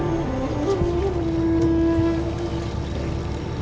お。